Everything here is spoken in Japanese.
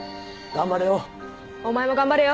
頑張れよ。